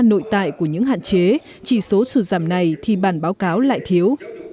nội tại của những hạn chế chỉ số sụt giảm này thì bản báo cáo lại thiếu